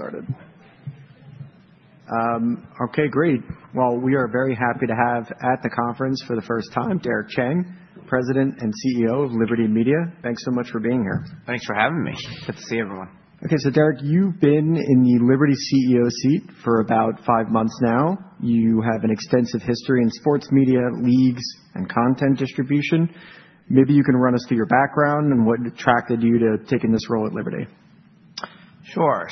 All right, we're going to get started. Okay, great. We are very happy to have at the conference for the first time Derek Chang, President and CEO of Liberty Media. Thanks so much for being here. Thanks for having me. Good to see everyone. Okay, so Derek, you've been in the Liberty CEO seat for about five months now. You have an extensive history in sports media, leagues, and content distribution. Maybe you can run us through your background and what attracted you to taking this role at Liberty. Sure.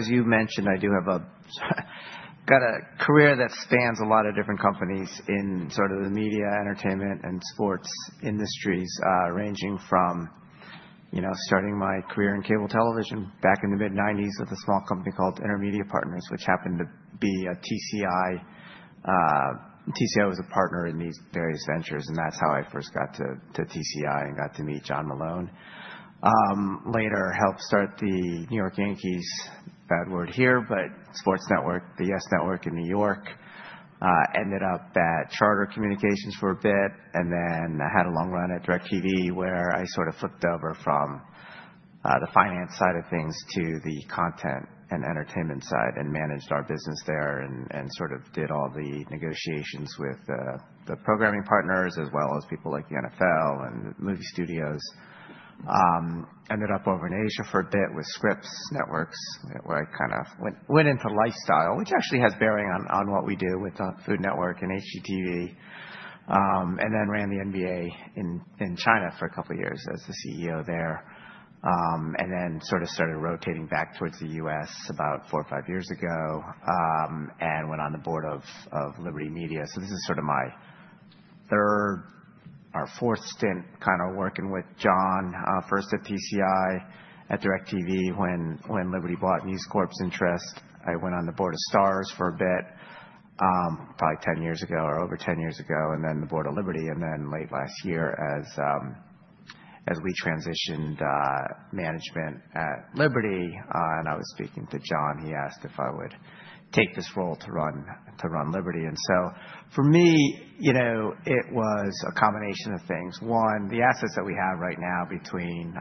As you mentioned, I do have a career that spans a lot of different companies in sort of the media, entertainment, and sports industries, ranging from starting my career in cable television back in the mid-1990s with a small company called InterMedia Partners, which happened to be a TCI. TCI was a partner in these various ventures, and that's how I first got to TCI and got to meet John Malone. Later, helped start the New York Yankees—bad word here—but Sports Network, the YES Network in New York. Ended up at Charter Communications for a bit, and then I had a long run at DirecTV, where I sort of flipped over from the finance side of things to the content and entertainment side and managed our business there and sort of did all the negotiations with the programming partners as well as people like the NFL and movie studios. Ended up over in Asia for a bit with Scripps Networks, where I kind of went into lifestyle, which actually has bearing on what we do with Food Network and HGTV. Then ran the NBA in China for a couple of years as the CEO there. Sort of started rotating back towards the US about four or five years ago and went on the board of Liberty Media. This is sort of my third or fourth stint kind of working with John. First at TCI, at DirecTV, when Liberty bought News Corp's interest. I went on the board of Starz for a bit, probably 10 years ago or over 10 years ago, and then the board of Liberty. Late last year, as we transitioned management at Liberty, and I was speaking to John, he asked if I would take this role to run Liberty. For me, it was a combination of things. One, the assets that we have right now between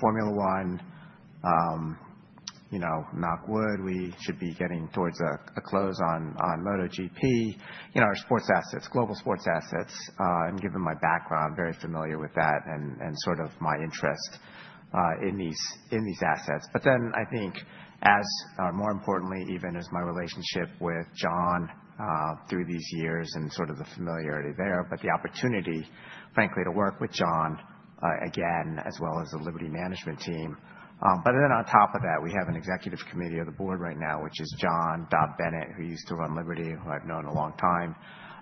Formula One, knock wood, we should be getting towards a close on MotoGP, our sports assets, global sports assets. Given my background, I'm very familiar with that and sort of my interest in these assets. I think, as or more importantly, even as my relationship with John through these years and sort of the familiarity there, the opportunity, frankly, to work with John again, as well as the Liberty management team. On top of that, we have an executive committee of the board right now, which is John, Dobb Bennett, who used to run Liberty, who I've known a long time,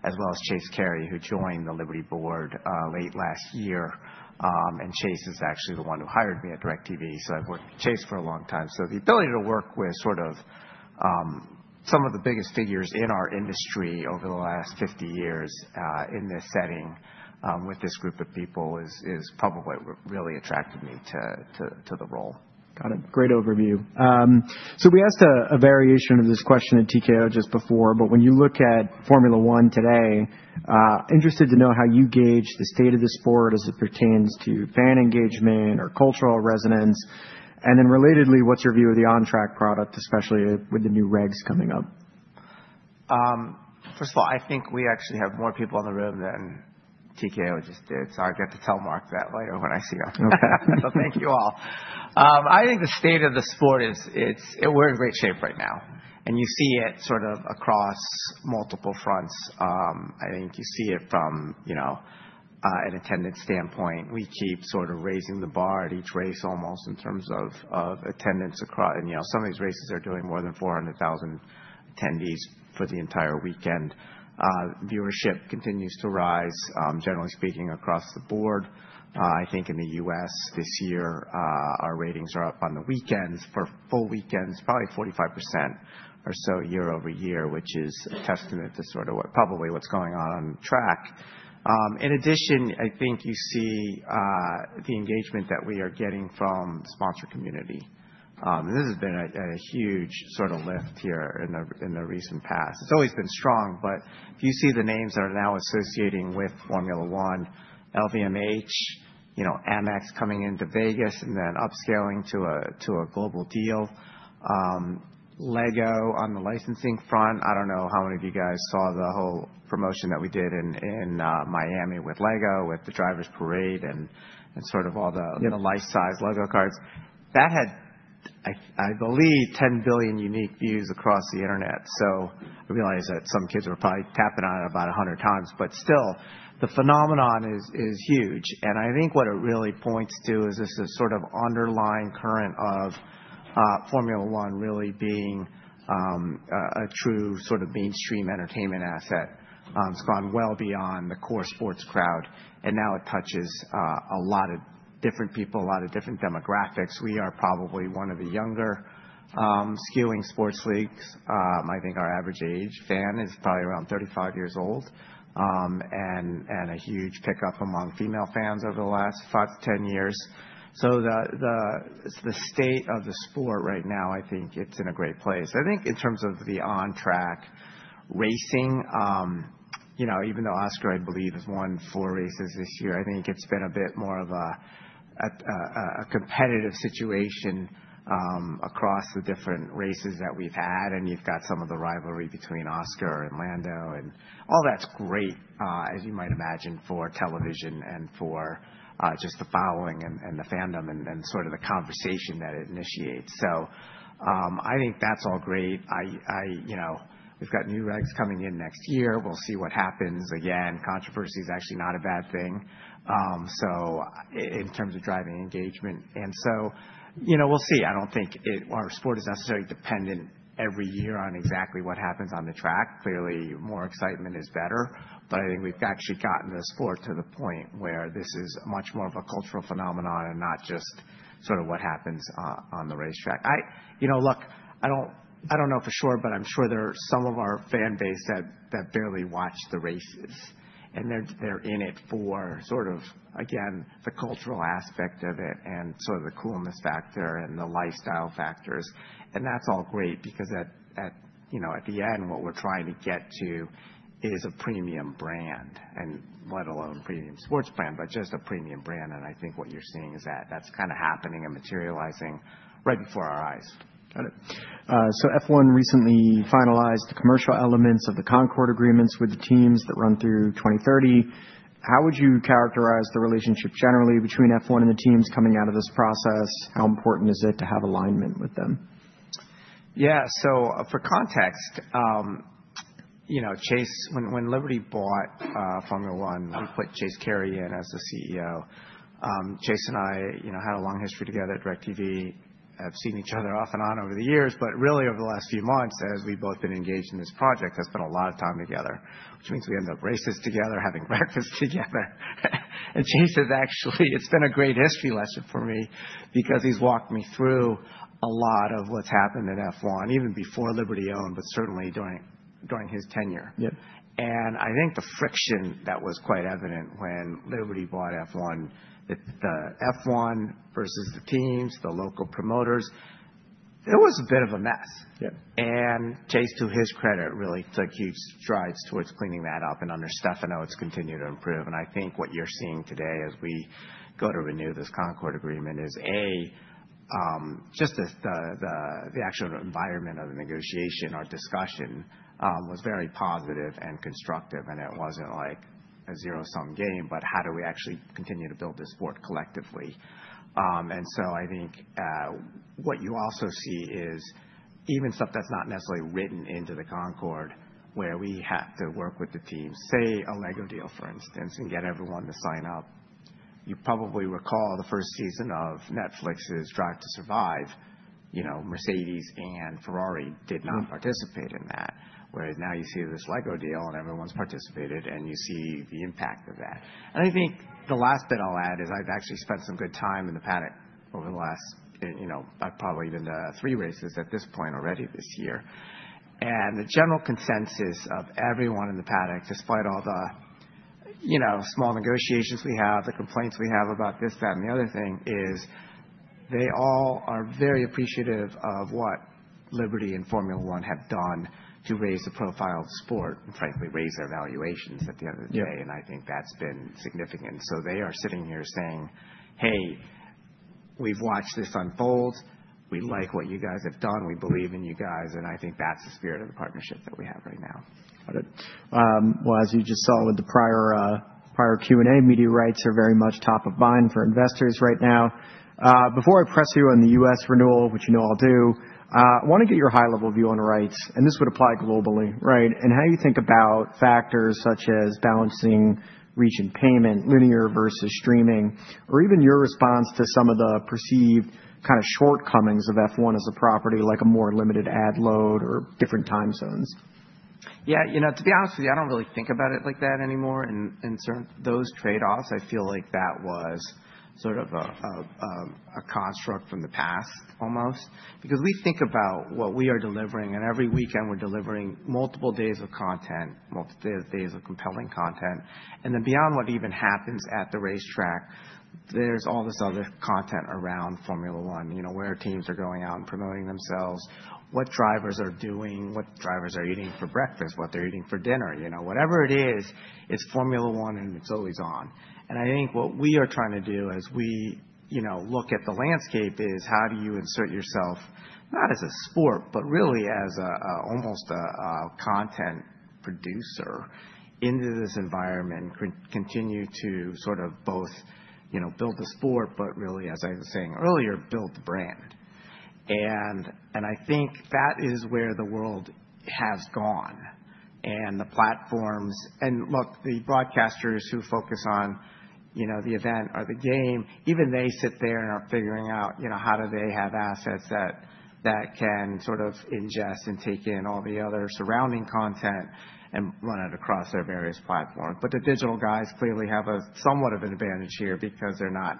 as well as Chase Carey, who joined the Liberty board late last year. Chase is actually the one who hired me at DirecTV, so I've worked with Chase for a long time. The ability to work with sort of some of the biggest figures in our industry over the last 50 years in this setting with this group of people has probably really attracted me to the role. Got it. Great overview. We asked a variation of this question at TKO just before, but when you look at Formula One today, interested to know how you gauge the state of the sport as it pertains to fan engagement or cultural resonance. Relatedly, what's your view of the on-track product, especially with the new regs coming up? First of all, I think we actually have more people in the room than TKO just did, so I'll get to tell Mark that later when I see you. Thank you all. I think the state of the sport, we're in great shape right now. You see it sort of across multiple fronts. I think you see it from an attendance standpoint. We keep sort of raising the bar at each race almost in terms of attendance. Some of these races are doing more than 400,000 attendees for the entire weekend. Viewership continues to rise, generally speaking, across the board. I think in the U.S. this year, our ratings are up on the weekends for full weekends, probably 45% or so year over year, which is a testament to sort of probably what's going on on track. In addition, I think you see the engagement that we are getting from the sponsor community. This has been a huge sort of lift here in the recent past. It's always been strong, but if you see the names that are now associating with Formula One, LVMH, Amex coming into Vegas, and then upscaling to a global deal. LEGO on the licensing front. I do not know how many of you guys saw the whole promotion that we did in Miami with LEGO, with the driver's parade and sort of all the life-size LEGO cars. That had, I believe, 10 billion unique views across the internet. I realize that some kids were probably tapping on it about 100 times, but still, the phenomenon is huge. I think what it really points to is this sort of underlying current of Formula One really being a true sort of mainstream entertainment asset. It's gone well beyond the core sports crowd, and now it touches a lot of different people, a lot of different demographics. We are probably one of the younger skewing sports leagues. I think our average age fan is probably around 35 years old and a huge pickup among female fans over the last 5 to 10 years. The state of the sport right now, I think it's in a great place. I think in terms of the on-track racing, even though Oscar, I believe, has won four races this year, I think it's been a bit more of a competitive situation across the different races that we've had. You've got some of the rivalry between Oscar and Lando, and all that's great, as you might imagine, for television and for just the following and the fandom and sort of the conversation that it initiates. I think that's all great. We've got new regs coming in next year. We'll see what happens. Again, controversy is actually not a bad thing in terms of driving engagement. We'll see. I don't think our sport is necessarily dependent every year on exactly what happens on the track. Clearly, more excitement is better, but I think we've actually gotten the sport to the point where this is much more of a cultural phenomenon and not just sort of what happens on the racetrack. Look, I don't know for sure, but I'm sure there are some of our fan base that barely watch the races, and they're in it for sort of, again, the cultural aspect of it and sort of the coolness factor and the lifestyle factors. That's all great because at the end, what we're trying to get to is a premium brand, and let alone a premium sports brand, but just a premium brand. I think what you're seeing is that that's kind of happening and materializing right before our eyes. Got it. F1 recently finalized the commercial elements of the Concord agreements with the teams that run through 2030. How would you characterize the relationship generally between F1 and the teams coming out of this process? How important is it to have alignment with them? Yeah. For context, when Liberty bought Formula One, we put Chase Carey in as the CEO. Chase and I had a long history together at DirecTV. I've seen each other off and on over the years, but really over the last few months, as we've both been engaged in this project, has been a lot of time together, which means we end up at races together, having breakfast together. Chase has actually—it's been a great history lesson for me because he's walked me through a lot of what's happened in F1, even before Liberty owned, but certainly during his tenure. I think the friction that was quite evident when Liberty bought F1, the F1 versus the teams, the local promoters, it was a bit of a mess. Chase, to his credit, really took huge strides towards cleaning that up. Under Stefano, it's continued to improve. I think what you're seeing today as we go to renew this Concord Agreement is, A, just the actual environment of the negotiation, our discussion was very positive and constructive, and it was not like a zero-sum game, but how do we actually continue to build this sport collectively? I think what you also see is even stuff that is not necessarily written into the Concord, where we have to work with the teams, say a LEGO deal, for instance, and get everyone to sign up. You probably recall the first season of Netflix's Drive to Survive. Mercedes and Ferrari did not participate in that, whereas now you see this LEGO deal and everyone's participated, and you see the impact of that. I think the last bit I'll add is I've actually spent some good time in the paddock over the last, probably even three races at this point already this year. The general consensus of everyone in the paddock, despite all the small negotiations we have, the complaints we have about this, that, and the other thing, is they all are very appreciative of what Liberty and Formula One have done to raise the profile of the sport and, frankly, raise their valuations at the end of the day. I think that's been significant. They are sitting here saying, "Hey, we've watched this unfold. We like what you guys have done. We believe in you guys." I think that's the spirit of the partnership that we have right now. Got it. As you just saw with the prior Q&A, media rights are very much top of mind for investors right now. Before I press you on the US renewal, which you know I'll do, I want to get your high-level view on rights, and this would apply globally, right? And how you think about factors such as balancing region payment, linear versus streaming, or even your response to some of the perceived kind of shortcomings of F1 as a property, like a more limited ad load or different time zones. Yeah. To be honest with you, I don't really think about it like that anymore. Those trade-offs, I feel like that was sort of a construct from the past almost. Because we think about what we are delivering, and every weekend we're delivering multiple days of content, multiple days of compelling content. Beyond what even happens at the racetrack, there's all this other content around Formula One, where teams are going out and promoting themselves, what drivers are doing, what drivers are eating for breakfast, what they're eating for dinner. Whatever it is, it's Formula One, and it's always on. I think what we are trying to do as we look at the landscape is how do you insert yourself, not as a sport, but really as almost a content producer into this environment and continue to sort of both build the sport, but really, as I was saying earlier, build the brand. I think that is where the world has gone. The platforms, and look, the broadcasters who focus on the event or the game, even they sit there and are figuring out how do they have assets that can sort of ingest and take in all the other surrounding content and run it across their various platforms. The digital guys clearly have somewhat of an advantage here because they're not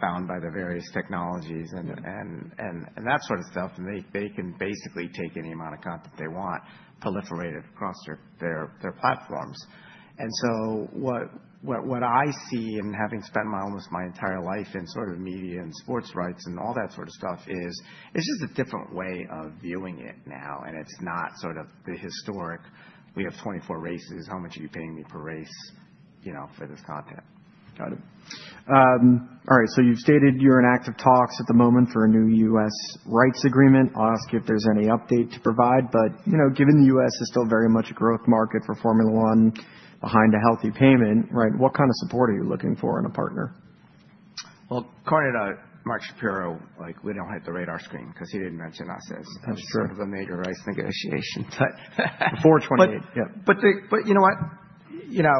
bound by the various technologies and that sort of stuff. They can basically take any amount of content they want proliferated across their platforms. What I see in having spent almost my entire life in sort of media and sports rights and all that sort of stuff is it's just a different way of viewing it now. It's not sort of the historic, "We have 24 races. How much are you paying me per race for this content? Got it. All right. So you've stated you're in active talks at the moment for a new U.S. rights agreement. I'll ask you if there's any update to provide. Given the U.S. is still very much a growth market for Formula One behind a healthy payment, what kind of support are you looking for in a partner? According to Mark Shapiro, we don't hit the radar screen because he didn't mention us as sort of a major race negotiation. Before 2020. You know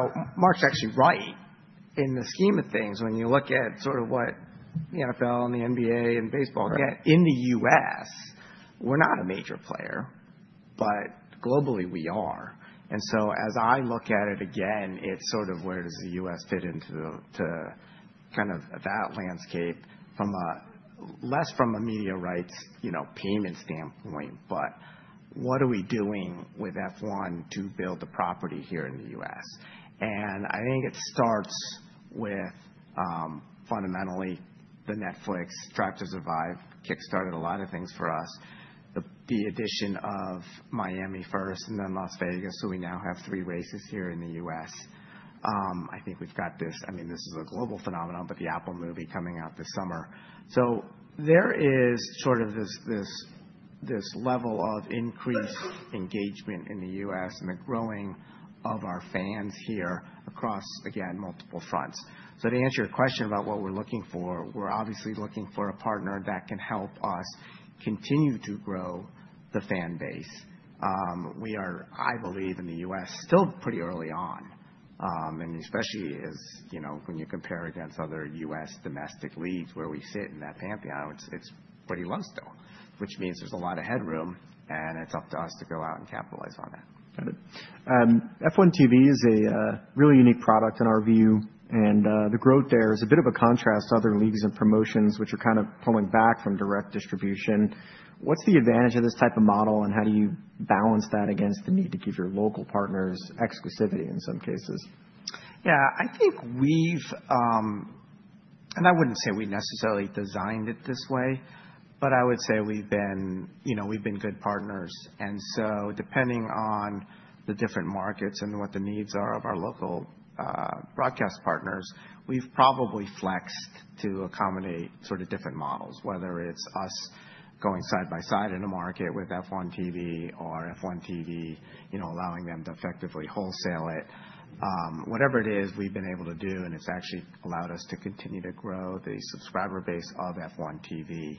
what? Mark's actually right in the scheme of things when you look at sort of what the NFL and the NBA and baseball get in the U.S. We're not a major player, but globally, we are. As I look at it again, it's sort of where does the U.S. fit into kind of that landscape less from a media rights payment standpoint, but what are we doing with F1 to build the property here in the U.S.? I think it starts with fundamentally the Netflix Drive to Survive kickstarted a lot of things for us, the addition of Miami first and then Las Vegas. We now have three races here in the U.S. I think we've got this—I mean, this is a global phenomenon, but the Apple movie coming out this summer. There is sort of this level of increased engagement in the U.S. and the growing of our fans here across, again, multiple fronts. To answer your question about what we're looking for, we're obviously looking for a partner that can help us continue to grow the fan base. We are, I believe, in the U.S. still pretty early on. Especially when you compare against other U.S. domestic leagues where we sit in that pantheon, it's pretty low still, which means there's a lot of headroom, and it's up to us to go out and capitalize on that. Got it. F1 TV is a really unique product in our view, and the growth there is a bit of a contrast to other leagues and promotions, which are kind of pulling back from direct distribution. What's the advantage of this type of model, and how do you balance that against the need to give your local partners exclusivity in some cases? Yeah. I think we've—and I wouldn't say we necessarily designed it this way, but I would say we've been good partners. Depending on the different markets and what the needs are of our local broadcast partners, we've probably flexed to accommodate sort of different models, whether it's us going side by side in a market with F1 TV or F1 TV allowing them to effectively wholesale it. Whatever it is, we've been able to do, and it's actually allowed us to continue to grow the subscriber base of F1 TV,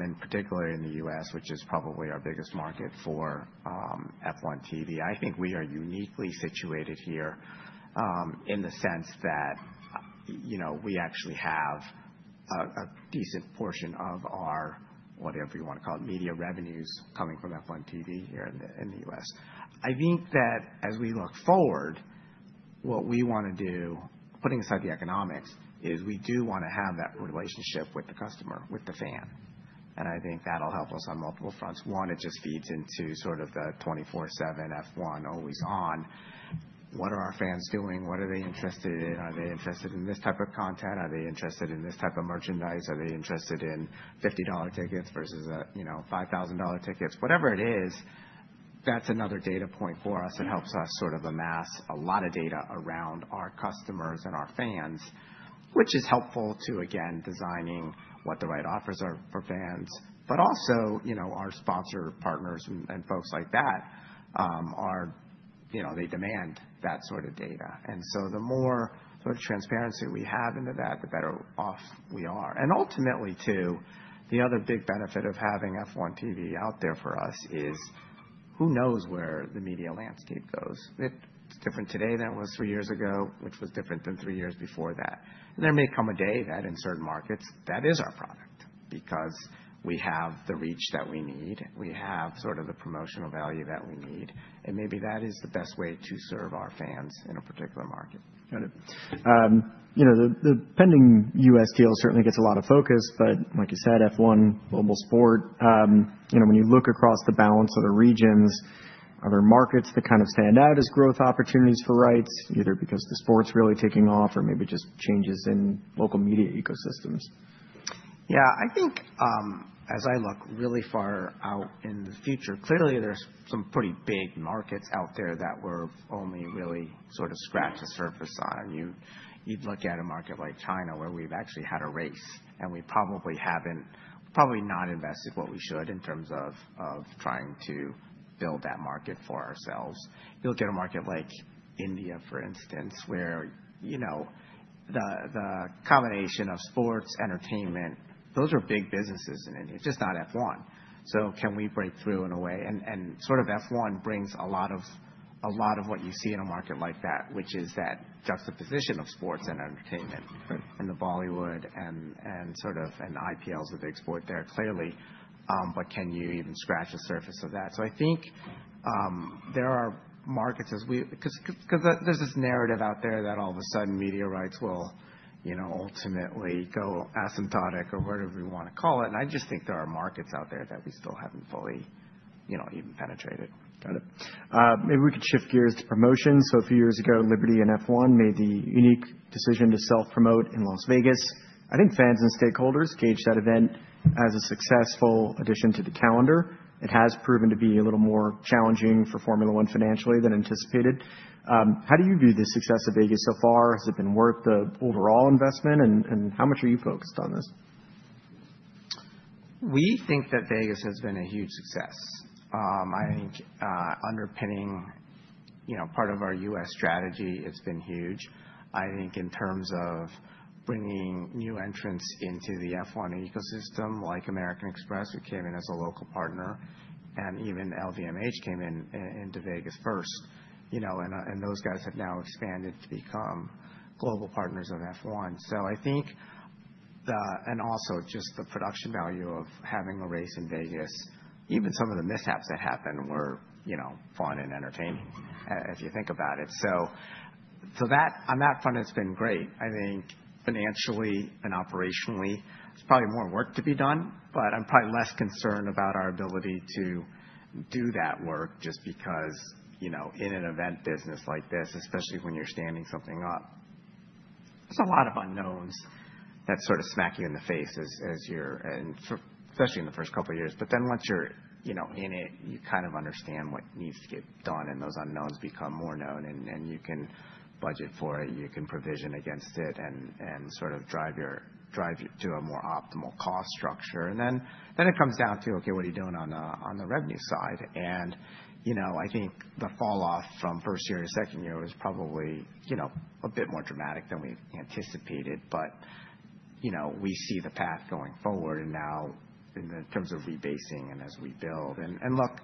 and particularly in the U.S., which is probably our biggest market for F1 TV. I think we are uniquely situated here in the sense that we actually have a decent portion of our, whatever you want to call it, media revenues coming from F1 TV here in the U.S. I think that as we look forward, what we want to do, putting aside the economics, is we do want to have that relationship with the customer, with the fan. I think that'll help us on multiple fronts. One, it just feeds into sort of the 24/7 F1 always on. What are our fans doing? What are they interested in? Are they interested in this type of content? Are they interested in this type of merchandise? Are they interested in $50 tickets versus $5,000 tickets? Whatever it is, that's another data point for us. It helps us sort of amass a lot of data around our customers and our fans, which is helpful to, again, designing what the right offers are for fans. Also our sponsor partners and folks like that, they demand that sort of data. The more sort of transparency we have into that, the better off we are. Ultimately, too, the other big benefit of having F1 TV out there for us is who knows where the media landscape goes. It's different today than it was three years ago, which was different than three years before that. There may come a day that in certain markets, that is our product because we have the reach that we need. We have sort of the promotional value that we need. Maybe that is the best way to serve our fans in a particular market. Got it. The pending U.S. deal certainly gets a lot of focus, but like you said, F1, global sport. When you look across the balance of the regions, are there markets that kind of stand out as growth opportunities for rights, either because the sport's really taking off or maybe just changes in local media ecosystems? Yeah. I think as I look really far out in the future, clearly there are some pretty big markets out there that we're only really sort of scratching the surface on. You look at a market like China where we've actually had a race, and we probably haven't, probably not invested what we should in terms of trying to build that market for ourselves. You look at a market like India, for instance, where the combination of sports, entertainment, those are big businesses in India, just not F1. Can we break through in a way? F1 brings a lot of what you see in a market like that, which is that juxtaposition of sports and entertainment and the Bollywood, and IPL is a big sport there clearly, but can you even scratch the surface of that? I think there are markets because there's this narrative out there that all of a sudden media rights will ultimately go asymptotic or whatever you want to call it. I just think there are markets out there that we still haven't fully even penetrated. Got it. Maybe we could shift gears to promotions. A few years ago, Liberty and F1 made the unique decision to self-promote in Las Vegas. I think fans and stakeholders gauged that event as a successful addition to the calendar. It has proven to be a little more challenging for Formula One financially than anticipated. How do you view the success of Vegas so far? Has it been worth the overall investment, and how much are you focused on this? We think that Vegas has been a huge success. I think underpinning part of our US strategy, it's been huge. I think in terms of bringing new entrants into the F1 ecosystem, like American Express, who came in as a local partner, and even LVMH came into Vegas first. Those guys have now expanded to become global partners of F1. I think, and also just the production value of having a race in Vegas, even some of the mishaps that happened were fun and entertaining if you think about it. On that front, it's been great. I think financially and operationally, there's probably more work to be done, but I'm probably less concerned about our ability to do that work just because in an event business like this, especially when you're standing something up, there's a lot of unknowns that sort of smack you in the face, especially in the first couple of years. Once you're in it, you kind of understand what needs to get done, and those unknowns become more known, and you can budget for it. You can provision against it and sort of drive you to a more optimal cost structure. It comes down to, okay, what are you doing on the revenue side? I think the falloff from first year to second year was probably a bit more dramatic than we anticipated, but we see the path going forward now in terms of rebasing and as we build. Look,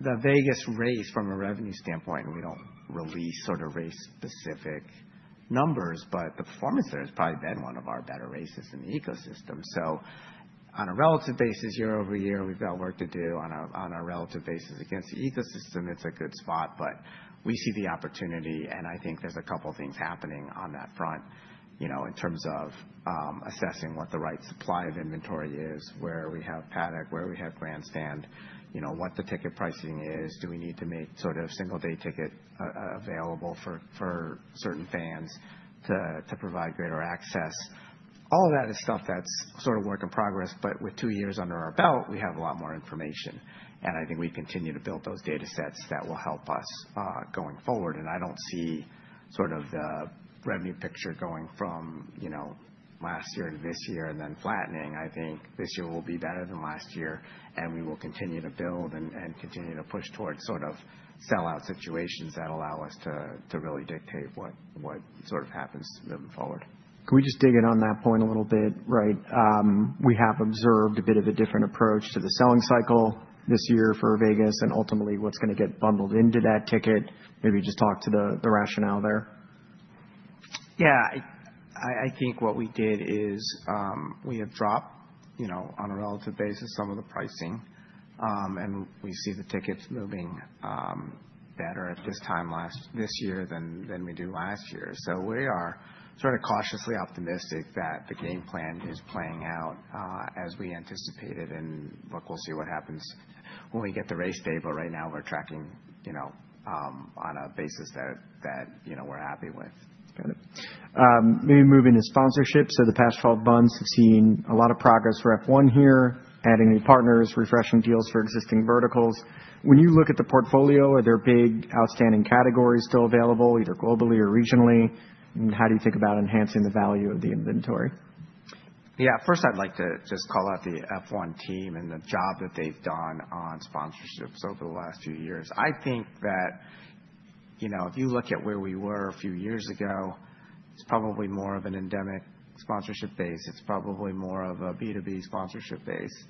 the Vegas race from a revenue standpoint, and we do not release sort of race-specific numbers, but the performance there has probably been one of our better races in the ecosystem. On a relative basis, year over year, we have work to do on a relative basis against the ecosystem. It is a good spot, but we see the opportunity, and I think there are a couple of things happening on that front in terms of assessing what the right supply of inventory is, where we have paddock, where we have Grandstand, what the ticket pricing is. Do we need to make sort of single-day tickets available for certain fans to provide greater access? All of that is stuff that's sort of work in progress, but with two years under our belt, we have a lot more information. I think we continue to build those data sets that will help us going forward. I don't see sort of the revenue picture going from last year to this year and then flattening. I think this year will be better than last year, and we will continue to build and continue to push towards sort of sell-out situations that allow us to really dictate what sort of happens moving forward. Can we just dig in on that point a little bit? Right. We have observed a bit of a different approach to the selling cycle this year for Vegas, and ultimately, what's going to get bundled into that ticket? Maybe just talk to the rationale there. Yeah. I think what we did is we have dropped on a relative basis some of the pricing, and we see the tickets moving better at this time this year than we do last year. We are sort of cautiously optimistic that the game plan is playing out as we anticipated, and look, we'll see what happens when we get the race date. Right now, we're tracking on a basis that we're happy with. Got it. Maybe moving to sponsorships. The past 12 months, we've seen a lot of progress for F1 here, adding new partners, refreshing deals for existing verticals. When you look at the portfolio, are there big outstanding categories still available either globally or regionally? How do you think about enhancing the value of the inventory? Yeah. First, I'd like to just call out the F1 team and the job that they've done on sponsorships over the last few years. I think that if you look at where we were a few years ago, it's probably more of an endemic sponsorship base. It's probably more of a B2B sponsorship base.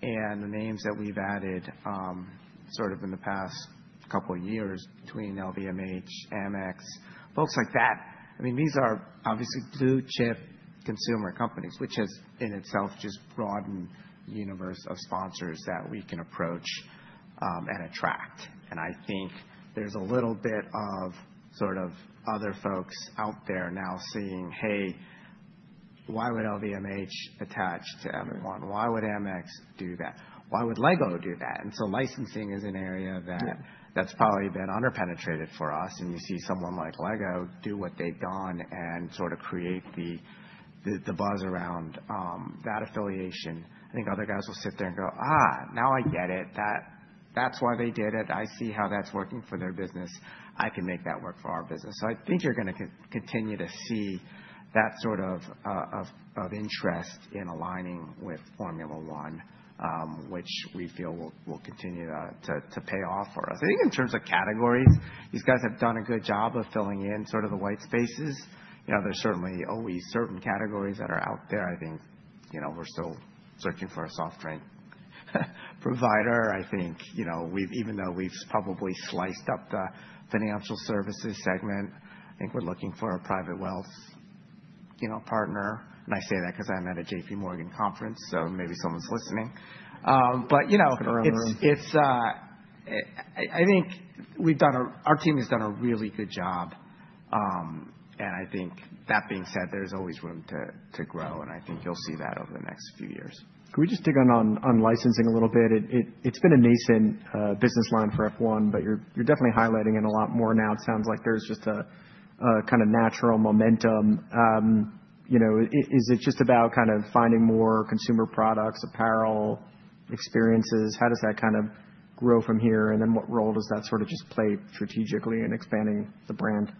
The names that we've added sort of in the past couple of years between LVMH, Amex, folks like that, I mean, these are obviously blue-chip consumer companies, which has in itself just broadened the universe of sponsors that we can approach and attract. I think there's a little bit of sort of other folks out there now seeing, hey, why would LVMH attach to F1? Why would Amex do that? Why would LEGO do that? Licensing is an area that's probably been underpenetrated for us. You see someone like LEGO do what they've done and sort of create the buzz around that affiliation. I think other guys will sit there and go, now I get it. That's why they did it. I see how that's working for their business. I can make that work for our business. I think you're going to continue to see that sort of interest in aligning with Formula One, which we feel will continue to pay off for us. I think in terms of categories, these guys have done a good job of filling in sort of the white spaces. There's certainly always certain categories that are out there. I think we're still searching for a soft drink provider. I think even though we've probably sliced up the financial services segment, I think we're looking for a private wealth partner. I say that because I'm at a JP Morgan conference, so maybe someone's listening. I can remember. I think our team has done a really good job. I think that being said, there's always room to grow, and I think you'll see that over the next few years. Can we just dig in on licensing a little bit? It's been a nascent business line for F1, but you're definitely highlighting it a lot more now. It sounds like there's just a kind of natural momentum. Is it just about kind of finding more consumer products, apparel, experiences? How does that kind of grow from here? What role does that sort of just play strategically in expanding the brand?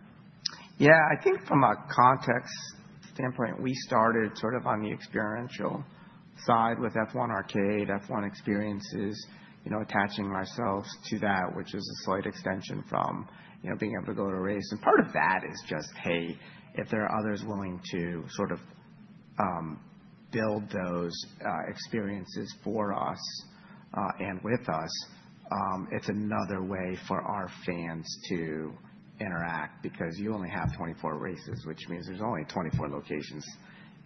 Yeah. I think from a context standpoint, we started sort of on the experiential side with F1 Arcade, F1 Experiences, attaching ourselves to that, which is a slight extension from being able to go to a race. Part of that is just, hey, if there are others willing to sort of build those experiences for us and with us, it's another way for our fans to interact because you only have 24 races, which means there's only 24 locations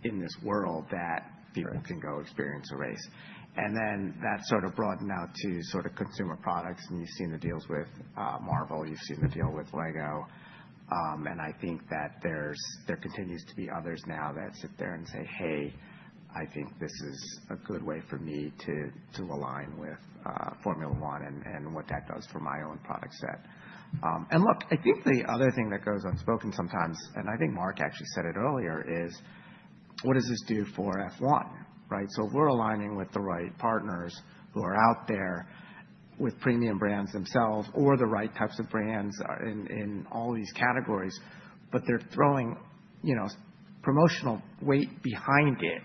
in this world that people can go experience a race. That has sort of broadened out to sort of consumer products, and you've seen the deals with Marvel. You've seen the deal with LEGO. I think that there continues to be others now that sit there and say, "Hey, I think this is a good way for me to align with Formula One and what that does for my own product set." I think the other thing that goes unspoken sometimes, and I think Mark actually said it earlier, is what does this do for F1? Right. If we are aligning with the right partners who are out there with premium brands themselves or the right types of brands in all these categories, but they are throwing promotional weight behind it,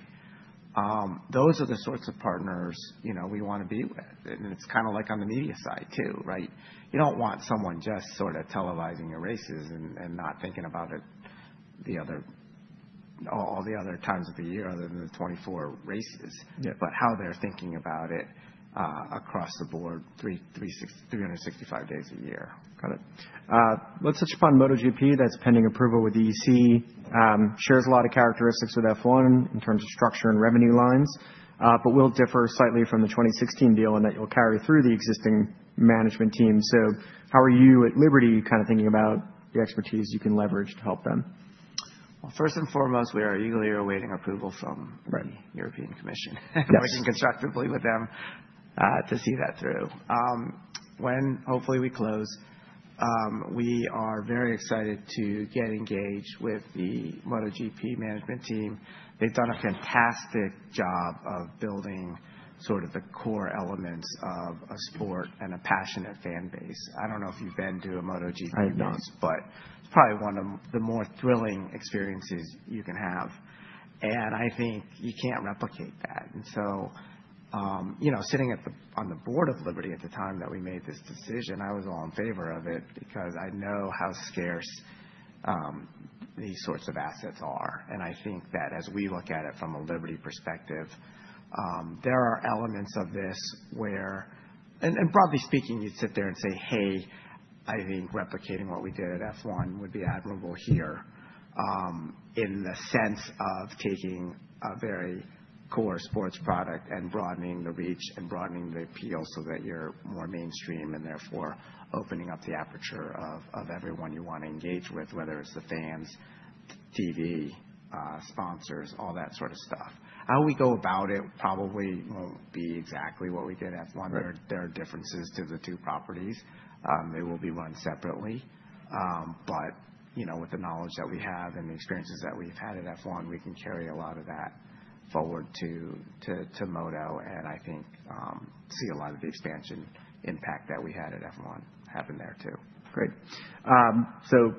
those are the sorts of partners we want to be with. It is kind of like on the media side too, right? You don't want someone just sort of televising your races and not thinking about all the other times of the year other than the 24 races, but how they're thinking about it across the board, 365 days a year. Got it. Let's touch upon MotoGP. That's pending approval with EC. Shares a lot of characteristics with F1 in terms of structure and revenue lines, but will differ slightly from the 2016 deal in that you'll carry through the existing management team. How are you at Liberty kind of thinking about the expertise you can leverage to help them? First and foremost, we are eagerly awaiting approval from the European Commission. We can constructively with them to see that through. When hopefully we close, we are very excited to get engaged with the MotoGP management team. They've done a fantastic job of building sort of the core elements of a sport and a passionate fan base. I don't know if you've been to a MotoGP race, but it's probably one of the more thrilling experiences you can have. I think you can't replicate that. Sitting on the board of Liberty at the time that we made this decision, I was all in favor of it because I know how scarce these sorts of assets are. I think that as we look at it from a Liberty perspective, there are elements of this where, and broadly speaking, you'd sit there and say, "Hey, I think replicating what we did at F1 would be admirable here in the sense of taking a very core sports product and broadening the reach and broadening the appeal so that you're more mainstream and therefore opening up the aperture of everyone you want to engage with, whether it's the fans, TV, sponsors, all that sort of stuff." How we go about it probably won't be exactly what we did at F1. There are differences to the two properties. They will be run separately. With the knowledge that we have and the experiences that we've had at F1, we can carry a lot of that forward to Moto and I think see a lot of the expansion impact that we had at F1 happen there too. Great.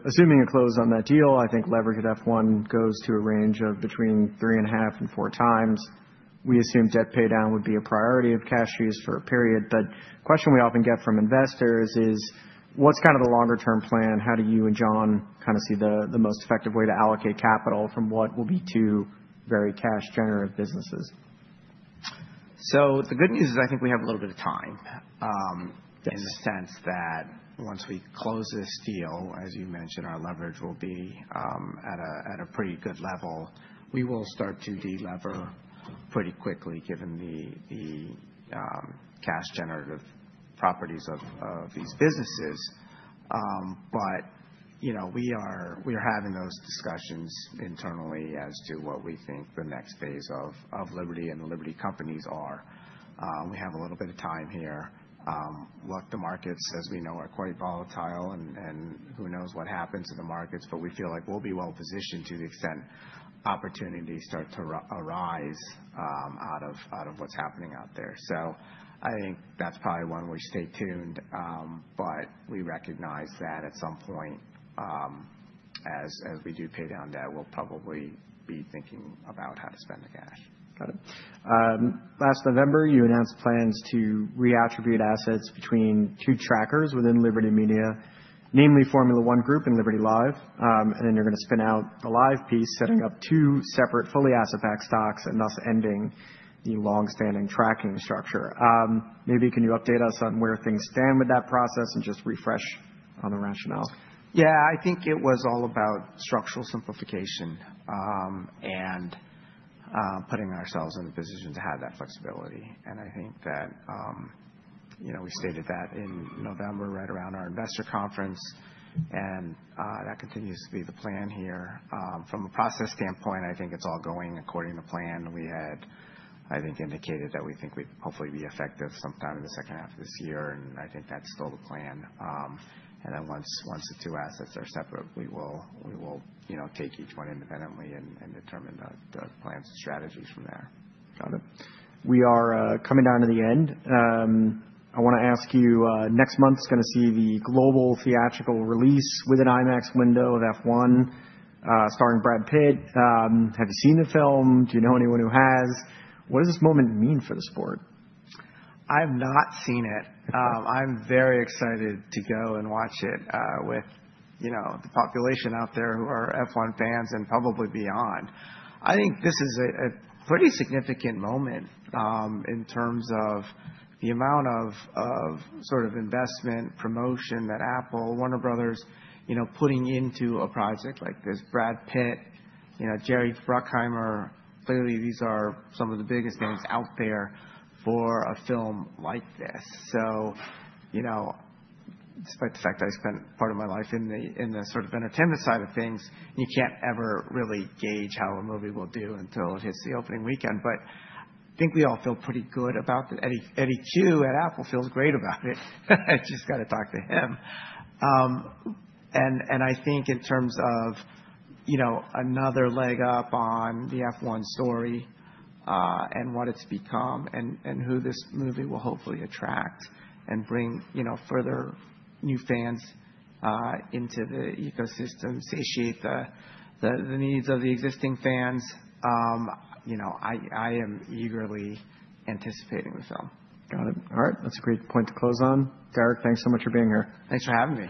Assuming a close on that deal, I think leverage at F1 goes to a range of between three and a half and four times. We assume debt paydown would be a priority of cash use for a period. The question we often get from investors is, what's kind of the longer-term plan? How do you and John kind of see the most effective way to allocate capital from what will be two very cash-generative businesses? The good news is I think we have a little bit of time in the sense that once we close this deal, as you mentioned, our leverage will be at a pretty good level. We will start to delever pretty quickly given the cash-generative properties of these businesses. We are having those discussions internally as to what we think the next phase of Liberty and the Liberty companies are. We have a little bit of time here. Look, the markets, as we know, are quite volatile, and who knows what happens to the markets, but we feel like we'll be well-positioned to the extent opportunities start to arise out of what's happening out there. I think that's probably one we stay tuned, but we recognize that at some point, as we do pay down debt, we'll probably be thinking about how to spend the cash. Got it. Last November, you announced plans to re-attribute assets between two trackers within Liberty Media, namely Formula One Group and Liberty Live. You are going to spin out the live piece, setting up two separate fully asset-backed stocks and thus ending the long-standing tracking structure. Maybe can you update us on where things stand with that process and just refresh on the rationale? Yeah. I think it was all about structural simplification and putting ourselves in a position to have that flexibility. I think that we stated that in November right around our investor conference, and that continues to be the plan here. From a process standpoint, I think it's all going according to plan. We had, I think, indicated that we think we'd hopefully be effective sometime in the second half of this year, and I think that's still the plan. Once the two assets are separate, we will take each one independently and determine the plans and strategies from there. Got it. We are coming down to the end. I want to ask you, next month is going to see the global theatrical release with an IMAX window of F1 starring Brad Pitt. Have you seen the film? Do you know anyone who has? What does this moment mean for the sport? I've not seen it. I'm very excited to go and watch it with the population out there who are F1 fans and probably beyond. I think this is a pretty significant moment in terms of the amount of sort of investment, promotion that Apple, Warner Bros., putting into a project like this. Brad Pitt, Jerry Bruckheimer, clearly these are some of the biggest names out there for a film like this. Despite the fact that I spent part of my life in the sort of entertainment side of things, you can't ever really gauge how a movie will do until it hits the opening weekend. I think we all feel pretty good about it. Eddie Q at Apple feels great about it. I just got to talk to him. I think in terms of another leg up on the F1 story and what it's become and who this movie will hopefully attract and bring further new fans into the ecosystem, satiate the needs of the existing fans, I am eagerly anticipating the film. Got it. All right. That's a great point to close on. Derek, thanks so much for being here. Thanks for having me.